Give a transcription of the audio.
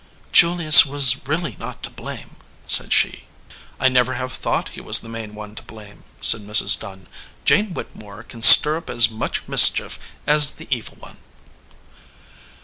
"Julius was really not to blame," said she. "I never have thought he was the main one to blame," said Mrs. Dunn. "Jane Whittemore can stir up as much mischief as the Evil One."